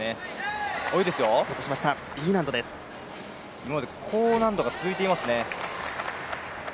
今まで高難度が続いていますね。